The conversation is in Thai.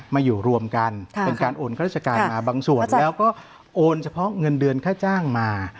มาอยู่รวมกันเป็นการโอนข้าราชการมาบางส่วนแล้วก็โอนเฉพาะเงินเดือนค่าจ้างมา